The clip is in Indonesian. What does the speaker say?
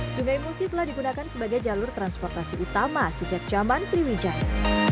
sungai musi telah digunakan sebagai jalur transportasi utama sejak zaman sriwijaya